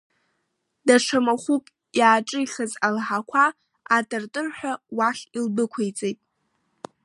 Даҽа махәык иааҿихыз алаҳақәа атыртырҳәа уахь илдәықәиҵеит.